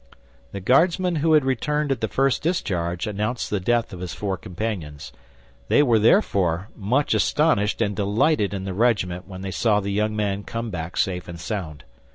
The Guardsman who had returned at the first discharge announced the death of his four companions. They were therefore much astonished and delighted in the regiment when they saw the young man come back safe and sound.